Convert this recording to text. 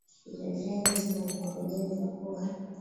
ya uzeni nina mkurugenzi mkuu wa